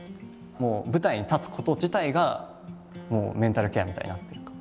舞台に立つこと自体がメンタルケアみたいになってるのか。